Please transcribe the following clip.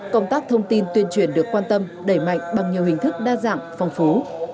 công tác thông tin tuyên truyền được quan tâm đẩy mạnh bằng nhiều hình thức đa dạng phong phú